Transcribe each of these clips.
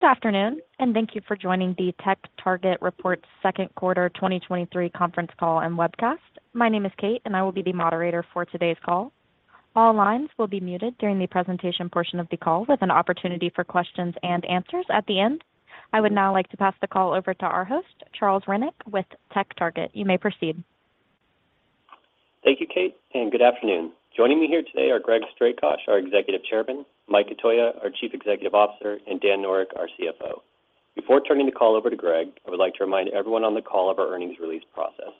Good afternoon. Thank you for joining the TechTarget Report's second quarter 2023 conference call and webcast. My name is Kate, and I will be the moderator for today's call. All lines will be muted during the presentation portion of the call, with an opportunity for questions and answers at the end. I would now like to pass the call over to our host, Charles Rennick, with TechTarget. You may proceed. Thank you, Kate, and good afternoon. Joining me here today are Greg Strakosch, our Executive Chairman; Mike Cotoia, our Chief Executive Officer; and Dan Noreck, our CFO. Before turning the call over to Greg, I would like to remind everyone on the call of our earnings release process.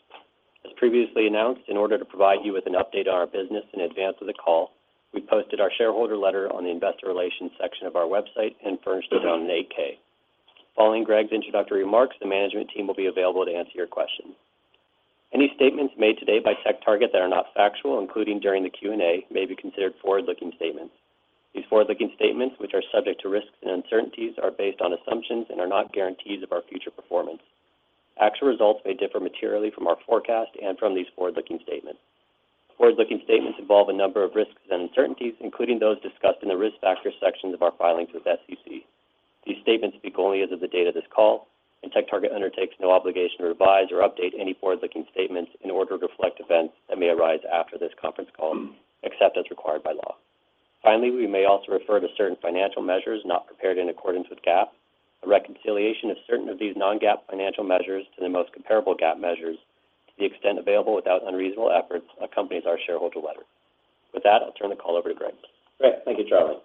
As previously announced, in order to provide you with an update on our business in advance of the call, we posted our shareholder letter on the investor relations section of our website and furnished it on an 8-K. Following Greg's introductory remarks, the management team will be available to answer your questions. Any statements made today by TechTarget that are not factual, including during the Q&A, may be considered forward-looking statements. These forward-looking statements, which are subject to risks and uncertainties, are based on assumptions and are not guarantees of our future performance. Actual results may differ materially from our forecast and from these forward-looking statements. Forward-looking statements involve a number of risks and uncertainties, including those discussed in the risk factor sections of our filings with SEC. These statements speak only as of the date of this call, and TechTarget undertakes no obligation to revise or update any forward-looking statements in order to reflect events that may arise after this conference call, except as required by law. Finally, we may also refer to certain financial measures not prepared in accordance with GAAP. A reconciliation of certain of these non-GAAP financial measures to the most comparable GAAP measures, to the extent available without unreasonable efforts, accompanies our shareholder letter. With that, I'll turn the call over to Greg. Great. Thank you, Charlie.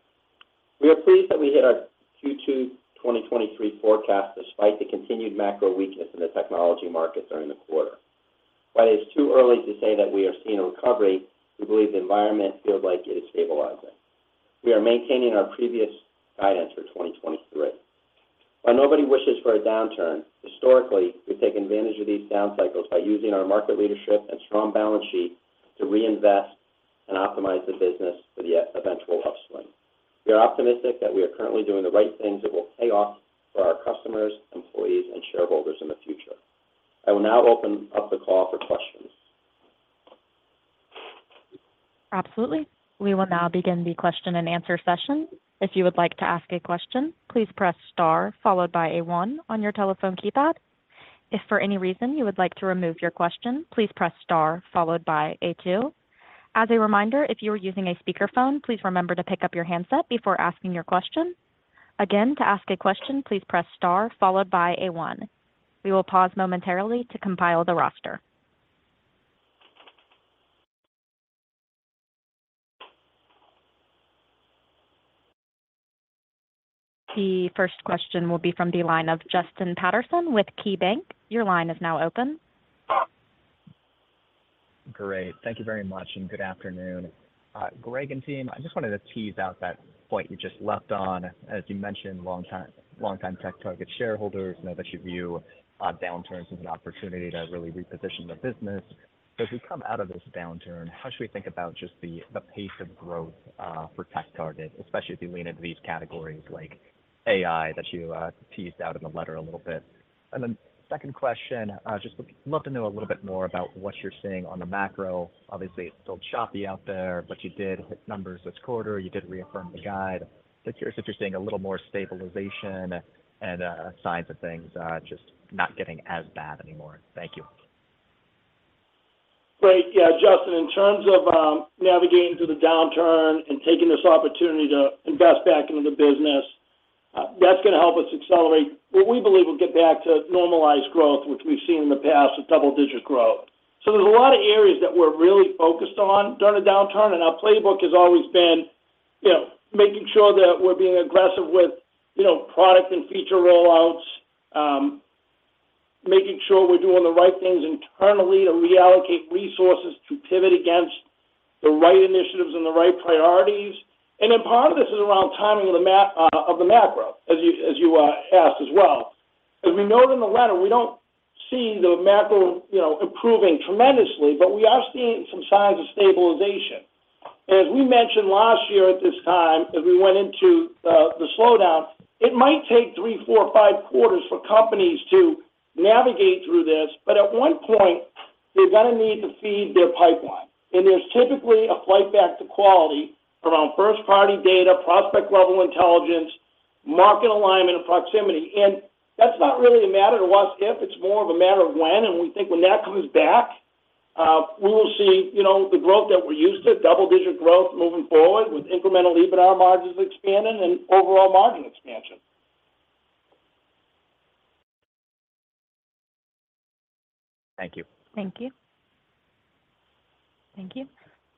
We are pleased that we hit our Q2 2023 forecast despite the continued macro weakness in the technology market during the quarter. While it's too early to say that we are seeing a recovery, we believe the environment feels like it is stabilizing. We are maintaining our previous guidance for 2023. While nobody wishes for a downturn, historically, we've taken advantage of these down cycles by using our market leadership and strong balance sheet to reinvest and optimize the business for the eventual upswing. We are optimistic that we are currently doing the right things that will pay off for our customers, employees, more and shareholders in the future. I will now open up the call for questions. Absolutely. We will now begin the question and answer session. If you would like to ask a question, please press star followed by a one on your telephone keypad. If for any reason you would like to remove your question, please press star followed by a two. As a reminder, if you are using a speakerphone, please remember to pick up your handset before asking your question. Again, to ask a question, please press star followed by a one. We will pause momentarily to compile the roster. The first question will be from the line of Justin Patterson with KeyBanc. Your line is now open. Great. Thank you very much, and good afternoon. Greg and team, I just wanted to tease out that point you just left on. As you mentioned, longtime, longtime TechTarget shareholders know that you view downturns as an opportunity to really reposition the business. As we come out of this downturn, how should we think about just the, the pace of growth for TechTarget, especially as you lean into these categories like AI, that you teased out in the letter a little bit? Second question, I just would love to know a little bit more about what you're seeing on the macro. Obviously, it's still choppy out there, but you did hit numbers this quarter. You did reaffirm the guide. Curious if you're seeing a little more stabilization and signs of things just not getting as bad anymore. Thank you. Great. Yeah, Justin, in terms of navigating through the downturn and taking this opportunity to invest back into the business, that's gonna help us accelerate what we believe will get back to normalized growth, which we've seen in the past, with double-digit growth. There's a lot of areas that we're really focused on during a downturn, and our playbook has always been, you know, making sure that we're being aggressive with, you know, product and feature rollouts, making sure we're doing the right things internally to reallocate resources, to pivot against the right initiatives and the right priorities. Part of this is around timing of the ma- of the macro, as you, as you asked as well. We noted in the letter, we don't see the macro, you know, improving tremendously, but we are seeing some signs of stabilization. As we mentioned last year at this time, as we went into the slowdown, it might take three, four, five quarters for companies to navigate through this, but at one point, they're gonna need to feed their pipeline. There's typically a flight back to quality around first-party data, prospect-level intelligence, market alignment, and proximity. That's not really a matter of what if, it's more of a matter of when, and we think when that comes back, we will see, you know, the growth that we're used to, double-digit growth moving forward, with incremental EBITDA margins expanding and overall margin expansion. Thank you. Thank you. Thank you.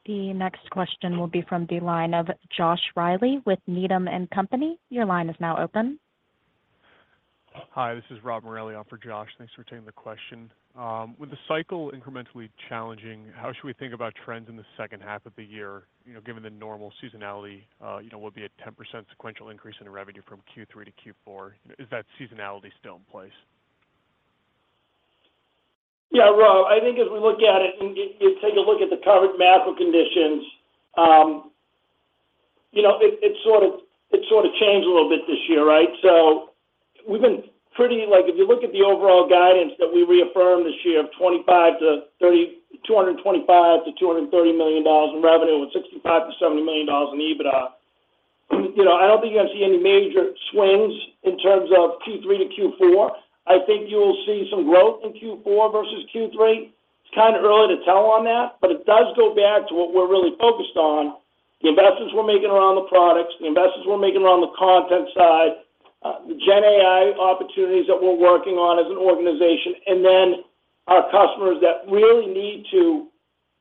The next question will be from the line of Josh Reilly with Needham & Company. Your line is now open. Hi, this is Robert Morelli on for Josh. Thanks for taking the question. With the cycle incrementally challenging, how should we think about trends in the second half of the year? You know, given the normal seasonality, you know, will be a 10% sequential increase in revenue from Q3 to Q4. Is that seasonality still in place? Yeah, Rob, I think as we look at it and you take a look at the current macro conditions, you know, it sort of changed a little bit this year, right? We've been pretty like, if you look at the overall guidance that we reaffirmed this year of $225 million-$230 million in revenue, with $65 million-$70 million in EBITDA. You know, I don't think you're going to see any major swings in terms of Q3 to Q4. I think you'll see some growth in Q4 versus Q3. It's kind of early to tell on that, but it does go back to what we're really focused on, the investments we're making around the products, the investments we're making around the content side, the Gen AI opportunities that we're working on as an organization, and then our customers that really need to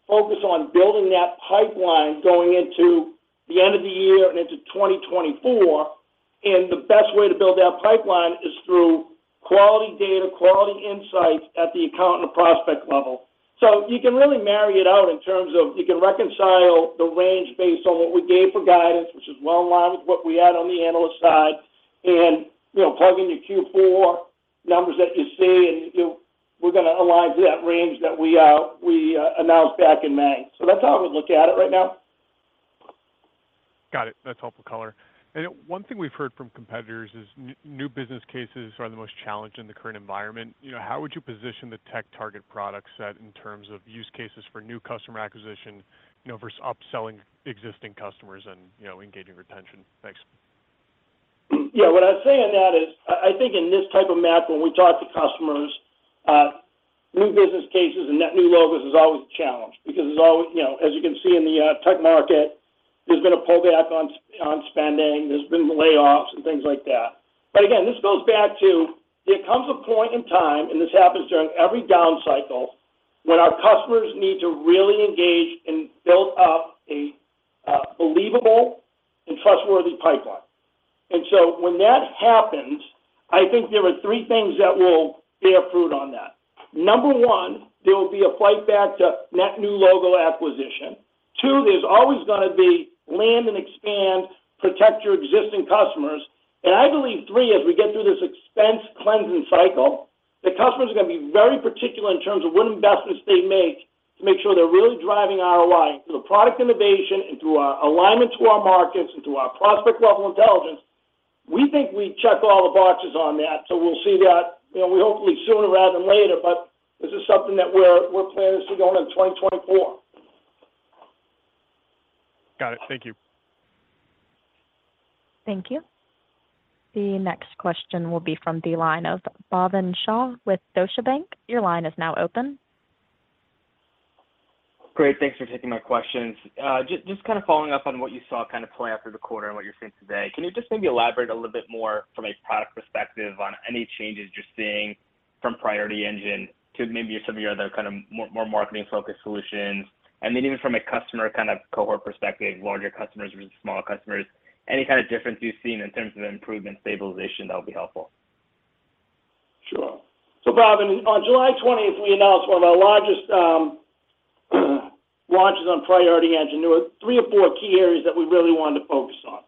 focus on building that pipeline going into the end of the year and into 2024. The best way to build that pipeline is through quality data, quality insights at the account and the prospect level. You can really marry it out in terms of, you can reconcile the range based on what we gave for guidance, which is well in line with what we had on the analyst side. You know, plug in your Q4 numbers that you see, and we're gonna align to that range that we announced back in May. That's how I would look at it right now. Got it. That's helpful color. One thing we've heard from competitors is new business cases are the most challenged in the current environment. You know, how would you position the TechTarget product set in terms of use cases for new customer acquisition, you know, versus upselling existing customers and, you know, engaging retention? Thanks. Yeah. What I'd say on that is, I, I think in this type of map, when we talk to customers, new business cases and net new logos is always a challenge because as always, you know, as you can see in the tech market, there's been a pullback on spending, there's been layoffs and things like that. Again, this goes back to, there comes a point in time, and this happens during every down cycle, when our customers need to really engage and build up a, a believable and trustworthy pipeline. When that happens, I think there are three things that will bear fruit on that. Number one, there will be a fight back to net new logo acquisition. Two, there's always gonna be land and expand, protect your existing customers. I believe three, as we get through this expense cleansing cycle, the customers are gonna be very particular in terms of what investments they make, to make sure they're really driving ROI through the product innovation, and through our alignment to our markets, and through our prospect-level intelligence. We think we check all the boxes on that, so we'll see that, you know, we hopefully sooner rather than later, but this is something that we're, we're planning to see going into 2024. Got it. Thank you. Thank you. The next question will be from the line of Bhavin Shah with Deutsche Bank. Your line is now open. Great, thanks for taking my questions. Just following up on what you saw play out through the quarter and what you're seeing today. Can you just maybe elaborate a little bit more from a product perspective on any changes you're seeing from Priority Engine to maybe some of your other more, more marketing-focused solutions? Even from a customer cohort perspective, larger customers versus smaller customers, any difference you've seen in terms of improvement, stabilization, that would be helpful. Sure. Bhavin, on July 20th, we announced one of our largest launches on Priority Engine. There were three or four key areas that we really wanted to focus on.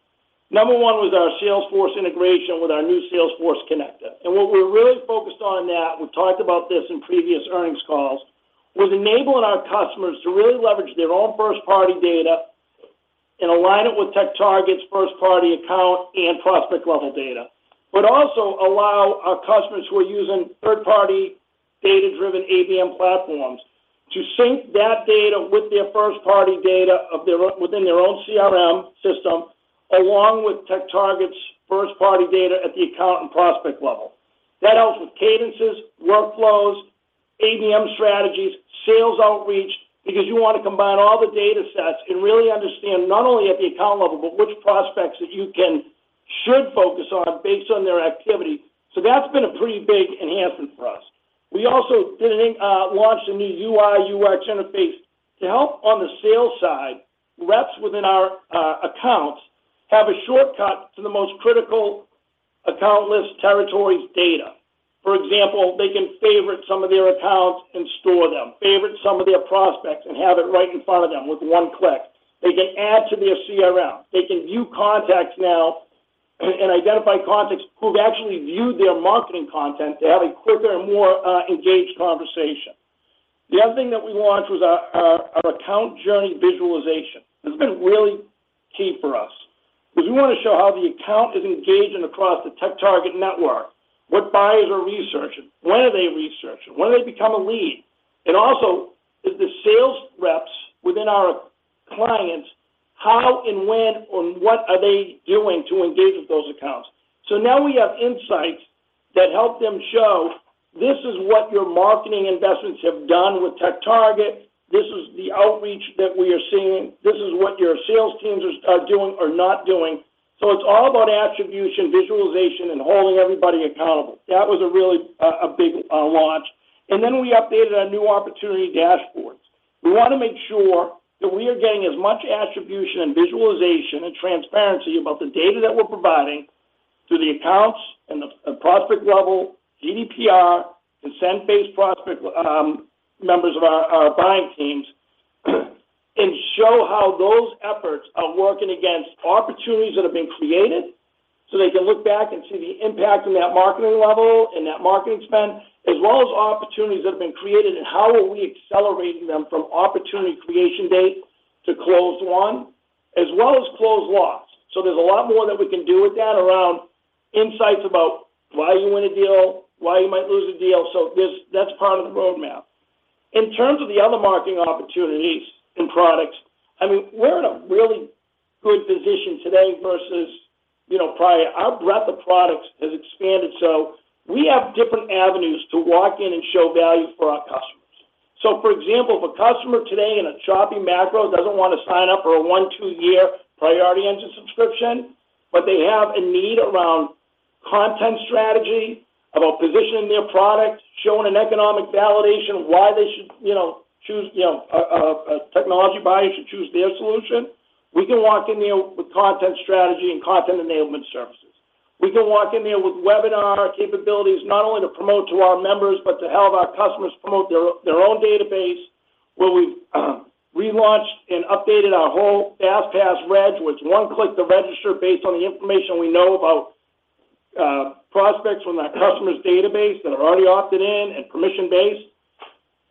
Number one was our Salesforce integration with our new Salesforce connector. What we're really focused on that, we've talked about this in previous earnings calls, was enabling our customers to really leverage their own first-party data and align it with TechTarget's first-party account and prospect-level data. Also allow our customers who are using third-party, data-driven ABM platforms to sync that data with their first-party data within their own CRM system, along with TechTarget's first-party data at the account and prospect level. That helps with cadences, workflows, ABM strategies, sales outreach, because you want to combine all the datasets and really understand not only at the account level, but which prospects should focus on based on their activity. That's been a pretty big enhancement for us. We also did launch a new UI, UI interface to help on the sales side. Reps within our accounts have a shortcut to the most critical account list territories data. For example, they can favorite some of their accounts and store them, favorite some of their prospects and have it right in front of them with one click. They can add to their CRM. They can view contacts now and identify contacts who've actually viewed their marketing content to have a quicker and more engaged conversation. The other thing that we launched was our account journey visualization. This has been really key for us, because we want to show how the account is engaging across the TechTarget network, what buyers are researching, when are they researching, when do they become a lead. Also, is the sales reps within our clients, how and when or what are they doing to engage with those accounts? Now we have insights that help them show, this is what your marketing investments have done with TechTarget. This is the outreach that we are seeing. This is what your sales teams are doing or not doing. It's all about attribution, visualization, and holding everybody accountable. That was a really big launch. We updated our new Opportunity Dashboards. We want to make sure that we are getting as much attribution and visualization and transparency about the data that we're providing to the accounts and the, at prospect level, GDPR, consent-based prospect, members of our, our buying teams, and show how those efforts are working against opportunities that have been created, so they can look back and see the impact in that marketing level and that marketing spend, as well as opportunities that have been created, and how are we accelerating them from opportunity creation date to closed one? as well as close loss. There's a lot more that we can do with that around insights about why you win a deal, why you might lose a deal. There's that's part of the roadmap. In terms of the other marketing opportunities and products, I mean, we're in a really good position today versus, you know, probably our breadth of products has expanded, so we have different avenues to walk in and show value for our customers. For example, if a customer today in a choppy macro doesn't want to sign up for a one, two year Priority Engine subscription, but they have a need around content strategy, about positioning their product, showing an economic validation of why they should, you know, choose, you know, a technology buyer should choose their solution, we can walk in there with content strategy and content enablement services. We can walk in there with webinar capabilities, not only to promote to our members, but to help our customers promote their, their own database, where we, relaunched and updated our whole FastReg, which one-click to register based on the information we know about prospects from our customer's database that are already opted in and permission-based.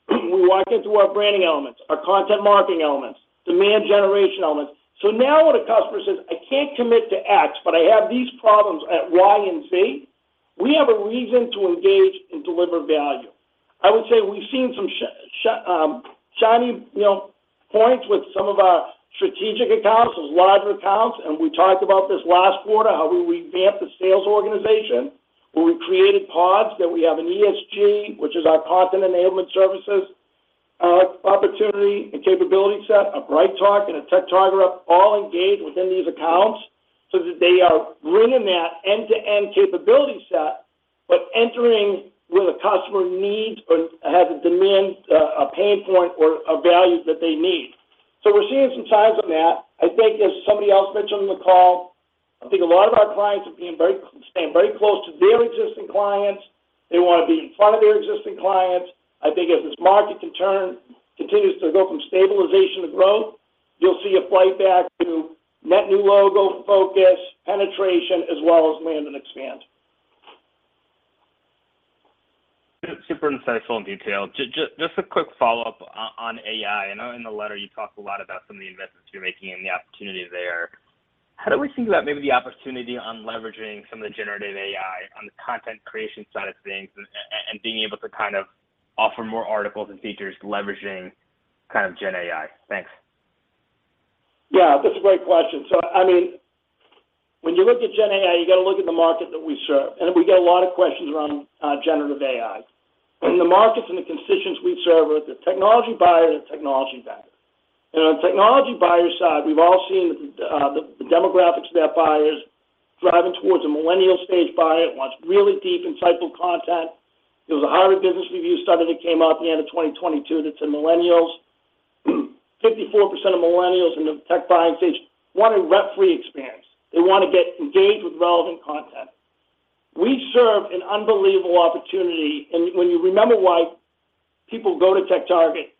We walk into our branding elements, our content marketing elements, demand generation elements. Now when a customer says, "I can't commit to X, but I have these problems at Y and Z," we have a reason to engage and deliver value. I would say we've seen some shiny, you know, points with some of our strategic accounts, those larger accounts. We talked about this last quarter, how we revamped the sales organization, where we created pods, that we have an ESG, which is our Content Enablement Services, opportunity and capability set, a BrightTALK and a TechTarget up, all engaged within these accounts so that they are bringing that end-to-end capability set, but entering where the customer needs or has a demand, a pain point, or a value that they need. We're seeing some signs of that. I think as somebody else mentioned on the call, I think a lot of our clients are being very staying very close to their existing clients. They want to be in front of their existing clients. I think as this market turn continues to go from stabilization to growth, you'll see a flight back to net new logo focus, penetration, as well as land and expand. Super insightful and detailed. Just a quick follow-up on AI. I know in the letter you talked a lot about some of the investments you're making and the opportunities there. How do we think about maybe the opportunity on leveraging some of the generative AI on the content creation side of things, and being able to kind of offer more articles and features leveraging kind of gen AI? Thanks. Yeah, that's a great question. I mean, when you look at Gen AI, you got to look at the market that we serve, and we get a lot of questions around Generative AI. In the markets and the constituents we serve are the technology buyers and technology vendors. On the technology buyer side, we've all seen the demographics that buyers driving towards a millennial stage buyer wants really deep, insightful content. There was a Harvard Business Review study that came out at the end of 2022, that said millennials, 54% of millennials in the tech buying stage, want a refree experience. They want to get engaged with relevant content. We serve an unbelievable opportunity, and when you remember why people go to TechTarget,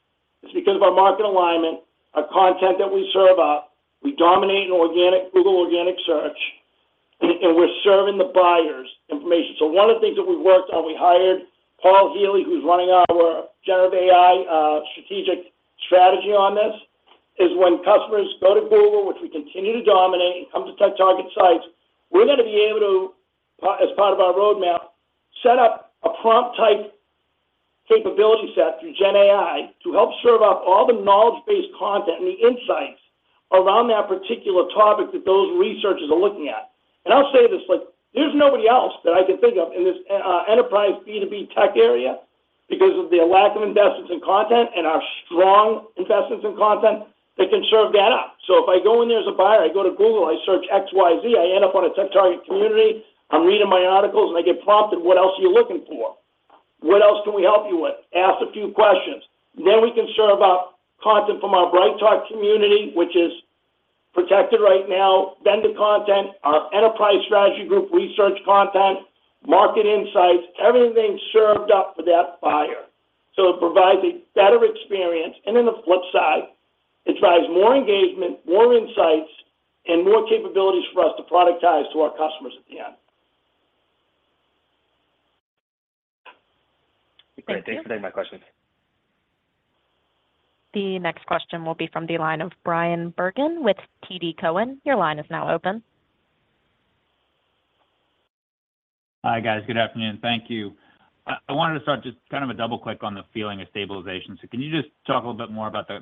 it's because of our market alignment, our content that we serve up. We dominate in organic Google organic search, and we're serving the buyers information. One of the things that we've worked on, we hired Paul Healey, who's running our generative AI strategic strategy on this, is when customers go to Google, which we continue to dominate, and come to TechTarget sites, we're going to be able to, as part of our roadmap, set up a prompt type capability set through Gen AI to help serve up all the knowledge-based content and the insights around that particular topic that those researchers are looking at. I'll say this, like, there's nobody else that I can think of in this enterprise B2B tech area, because of their lack of investments in content and our strong investments in content, that can serve that up. If I go in there as a buyer, I go to Google, I search XYZ, I end up on a TechTarget community. I'm reading my articles, and I get prompted, "What else are you looking for? What else can we help you with?" Ask a few questions. We can serve up content from our BrightTALK community, which is protected right now, vendor content, our Enterprise Strategy Group, research content, market insights, everything served up for that buyer. It provides a better experience, and then the flip side, it drives more engagement, more insights, and more capabilities for us to productize to our customers at the end. Great. Thanks for taking my questions. The next question will be from the line of Bryan Bergin with TD Cowen. Your line is now open. Hi, guys. Good afternoon. Thank you. I wanted to start just kind of a double click on the feeling of stabilization. Can you just talk a little bit more about the,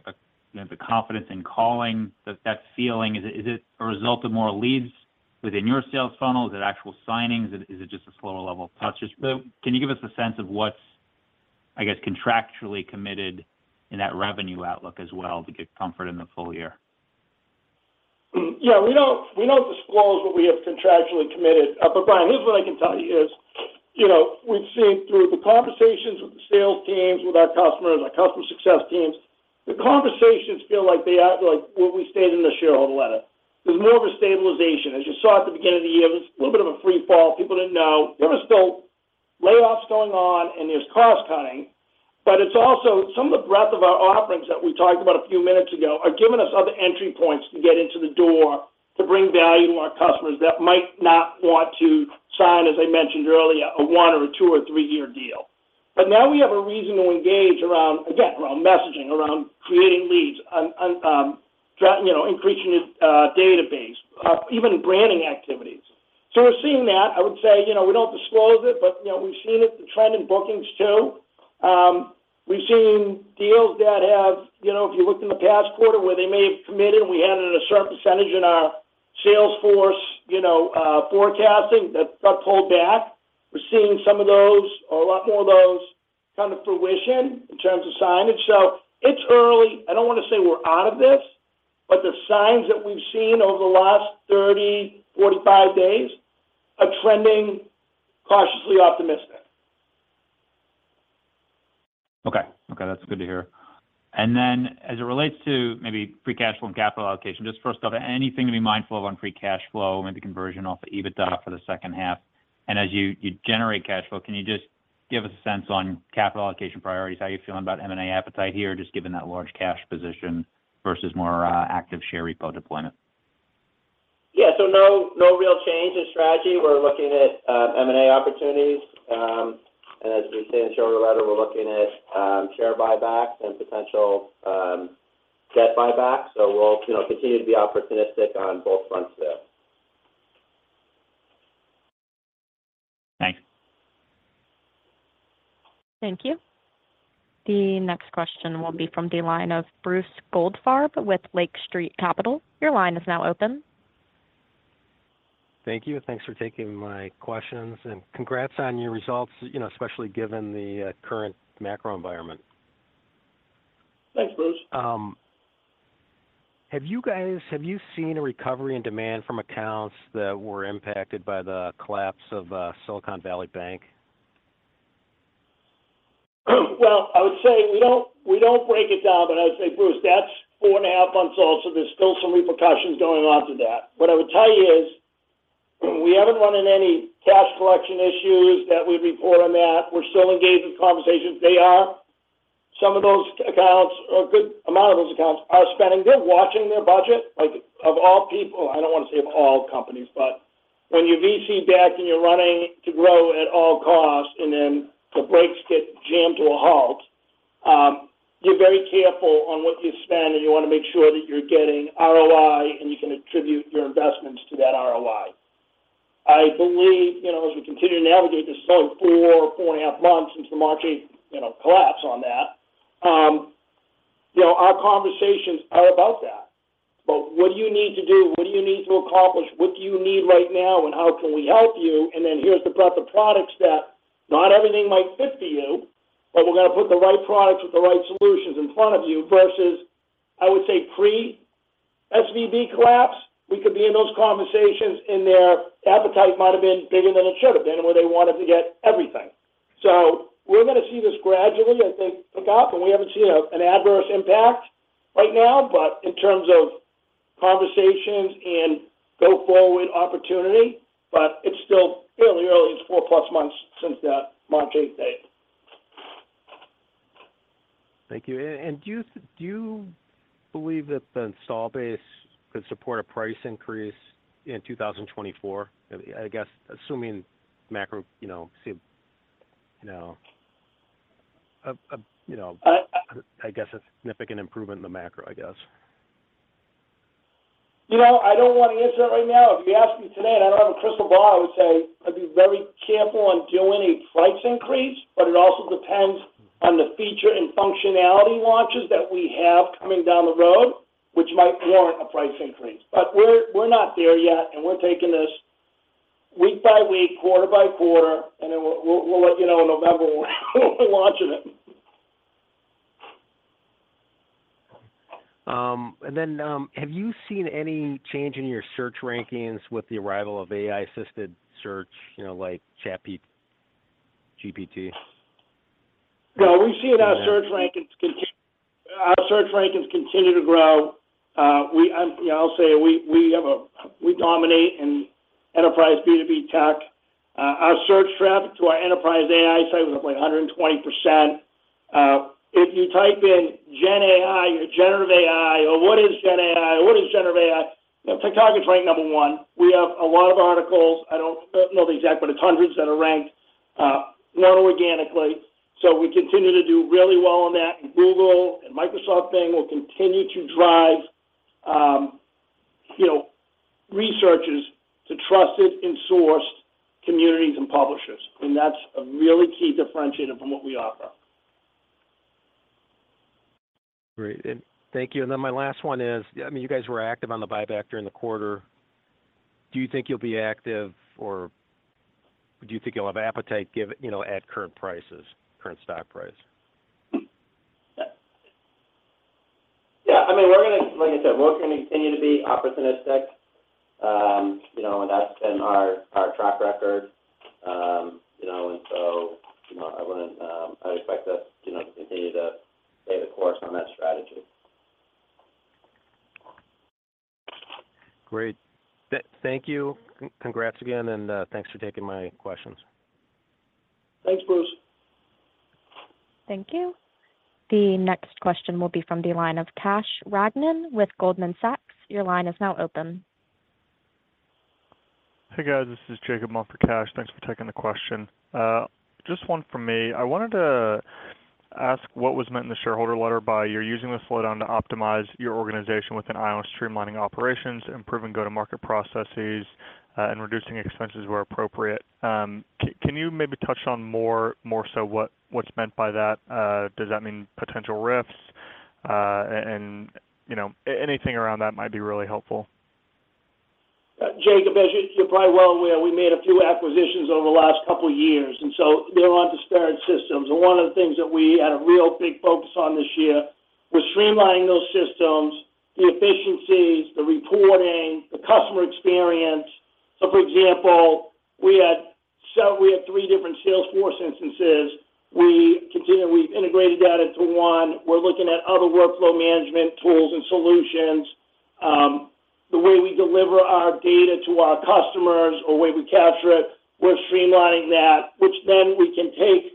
you know, the confidence in calling that, that feeling? Is it a result of more leads within your sales funnel? Is it actual signings? Is it just a slower level of touches? Can you give us a sense of what's, I guess, contractually committed in that revenue outlook as well to get comfort in the full year? Yeah, we don't disclose what we have contractually committed. Bryan, here's what I can tell you is, you know, we've seen through the conversations with the sales teams, with our customers, our customer success teams, the conversations feel like they are like what we stated in the shareholder letter. There's more of a stabilization. As you saw at the beginning of the year, there was a little bit of a free fall. People didn't know. There was still layoffs going on, and there's cost cutting, but it's also some of the breadth of our offerings that we talked about a few minutes ago, are giving us other entry points to get into the door to bring value to our customers that might not want to sign, as I mentioned earlier, a one or a two or three-year deal. Now we have a reason to engage around, again, around messaging, around creating leads, driving, you know, increasing your database, even branding activities. We're seeing that. I would say, you know, we don't disclose it, but, you know, we've seen it, the trend in bookings, too. We've seen deals that have, you know, if you looked in the past quarter, where they may have committed, and we had it at a certain percentage in our Salesforce, you know, forecasting, that got pulled back. We're seeing some of those, or a lot more of those, come to fruition in terms of signage. It's early. I don't want to say we're out of this, but the signs that we've seen over the last 30, 45 days are trending cautiously optimistic. Okay. Okay, that's good to hear. As it relates to maybe free cash flow and capital allocation, just first off, anything to be mindful of on free cash flow and the conversion off the EBITDA for the second half? As you generate cash flow, can you just give us a sense on capital allocation priorities? How are you feeling about M&A appetite here, just given that large cash position versus more active share repo deployment? Yeah, no real change in strategy. We're looking at M&A opportunities. As we say in the shareholder letter, we're looking at share buybacks and potential debt buybacks. We'll, you know, continue to be opportunistic on both fronts there. Thanks. Thank you. The next question will be from the line of Bruce Goldfarb with Lake Street Capital. Your line is now open. Thank you. Thanks for taking my questions, and congrats on your results, you know, especially given the current macro environment. Thanks, Bruce. have you guys have you seen a recovery in demand from accounts that were impacted by the collapse of Silicon Valley Bank? Well, I would say we don't, we don't break it down, but I would say, Bruce, that's 4.5 months old, so there's still some repercussions going on to that. What I would tell you is, we haven't run into any cash collection issues that we report on that. We're still engaged in conversations. Some of those accounts, or a good amount of those accounts, are spending. They're watching their budget. Like, of all people, I don't want to say of all companies, but when you're VC-backed and you're running to grow at all costs, and then the brakes get jammed to a halt, you're very careful on what you spend, and you want to make sure that you're getting ROI, and you can attribute your investments to that ROI. I believe, you know, as we continue to navigate this, so 4, 4.5 months since the March 8th, you know, collapse on that, you know, our conversations are about that. What do you need to do? What do you need to accomplish? What do you need right now, and how can we help you? Here's the breadth of products that not everything might fit for you, but we're gonna put the right products with the right solutions in front of you. Versus, I would say, pre-SVB collapse, we could be in those conversations, and their appetite might have been bigger than it should have been, where they wanted to get everything. We're gonna see this gradually, I think, pick up, and we haven't seen a, an adverse impact right now, but in terms of conversations and go-forward opportunity, but it's still fairly early. It's 4+ months since that March 8th date. Thank you. Do you, do you believe that the install base could support a price increase in 2024? I guess, assuming macro, you know, see, you know, you know... Uh- I guess a significant improvement in the macro, I guess. You know, I don't want to answer that right now. If you asked me today, and I don't have a crystal ball, I would say I'd be very careful on doing a price increase. It also depends on the feature and functionality launches that we have coming down the road, which might warrant a price increase. We're, we're not there yet, and we're taking this week by week, quarter-by-quarter, and then we'll let you know in November when we're launching it. Have you seen any change in your search rankings with the arrival of AI-assisted search, you know, like ChatGPT? Well, we've seen our search rankings continue to grow. We, you know, I'll say we, we have We dominate in enterprise B2B tech. Our search traffic to our enterprise AI site was up, like, 120%. If you type in Gen AI or generative AI, or what is Gen AI, or what is generative AI, you know, TechTarget's ranked number one. We have a lot of articles. I don't know the exact, but it's hundreds that are ranked, not organically. We continue to do really well on that, and Google and Microsoft Bing will continue to drive, you know, researchers to trusted and sourced communities and publishers. That's a really key differentiator from what we offer. Great. Thank you. My last one is I mean, you guys were active on the buyback during the quarter. Do you think you'll be active, or do you think you'll have appetite, give, you know, at current prices, current stock price? Yeah, I mean, we're gonna, like I said, we're gonna continue to be opportunistic. You know, that's been our, our track record. You know, I wouldn't, I expect us to, like, continue to stay the course on that strategy. Great. Thank you. Congrats again, and thanks for taking my questions. Thanks, Bruce. Thank you. The next question will be from the line of Kash Ragnan with Goldman Sachs. Your line is now open. Hey, guys, this is Jacob Staffel for Kash. Thanks for taking the question. Just one from me. I wanted to ask what was meant in the shareholder letter by you're using the slowdown to optimize your organization with an eye on streamlining operations, improving go-to-market processes, and reducing expenses where appropriate. Can you maybe touch on more, more so what, what's meant by that? Does that mean potential RIFs? You know, anything around that might be really helpful. Jacob, as you you're probably well aware, we made a few acquisitions over the last couple of years, so they're on disparate systems. One of the things that we had a real big focus on this year was streamlining those systems, the efficiencies, the reporting, the customer experience. For example, we had 3 different Salesforce instances. We've integrated that into 1. We're looking at other workflow management tools and solutions. The way we deliver our data to our customers or the way we capture it, we're streamlining that, which then we can take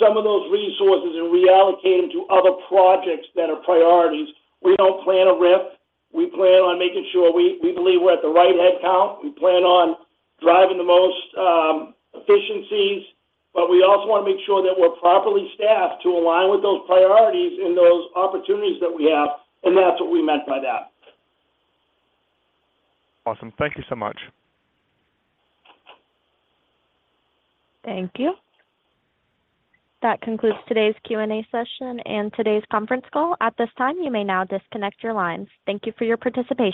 some of those resources and reallocate them to other projects that are priorities. We don't plan a RIF. We plan on making sure we believe we're at the right headcount. We plan on driving the most efficiencies, but we also want to make sure that we're properly staffed to align with those priorities and those opportunities that we have, and that's what we meant by that. Awesome. Thank you so much. Thank you. That concludes today's Q&A session and today's conference call. At this time, you may now disconnect your lines. Thank you for your participation.